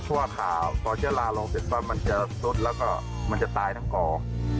เพราะว่าถ้าตอนเชื้อราลงเป็นฟันมันจะสดแล้วก็มันจะตายทั้งกร